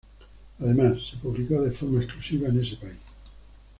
Además, se publicó de forma exclusiva en ese país.